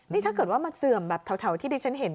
นี่ถ้าเกิดว่ามาเสื่อมแบบแถวที่ดิฉันเห็น